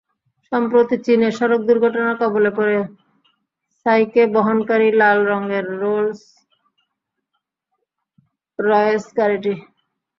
সম্প্রতি চীনে সড়ক দুর্ঘটনার কবলে পড়ে সাইকে বহনকারী লাল রঙের রোলস রয়েস গাড়িটি।